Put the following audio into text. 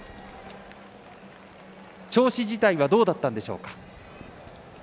調子自体はどうだったんでしょうか。